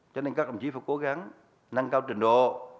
cho nên các ông chỉ phải cố gắng nâng cao trình độ